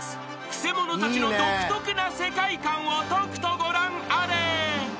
クセ者たちの独特な世界観をとくとご覧あれ］